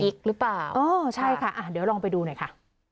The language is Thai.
หรือเปล่าเออใช่ค่ะเดี๋ยวลองไปดูหน่อยค่ะ